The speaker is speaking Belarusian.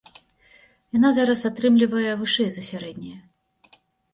Яна зараз атрымлівае вышэй за сярэдняе.